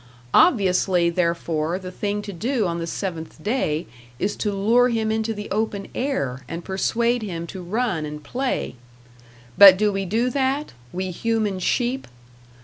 Obviously, therefore, the thing to do on the seventh day is to lure him into the open air, and persuade him to run and play. But do we do that, we human sheep?